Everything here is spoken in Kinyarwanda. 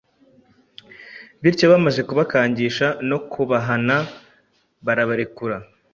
Bityo bamaze kubakangisha no kubahana barabarekura.